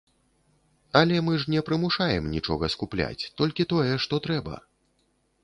Але мы ж не прымушаем нічога скупляць, толькі тое, што трэба.